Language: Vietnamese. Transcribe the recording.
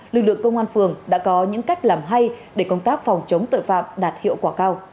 lực lượng công an phường đã có những cách làm hay để công tác phòng chống tội phạm đạt hiệu quả cao